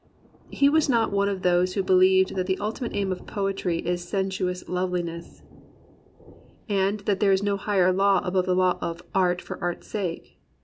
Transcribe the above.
He was not one of those who believe that the ultimate aim of poetry is sensuous loveliness, and that there is no higher law above the law of "art for art's sake.'